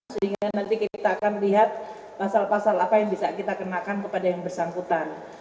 sehingga nanti kita akan lihat pasal pasal apa yang bisa kita kenakan kepada yang bersangkutan